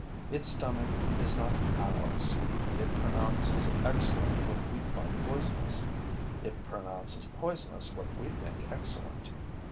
Its stomach is not ours. It pronounces excellent what we find poisonous; it pronounces poisonous what we think excellent.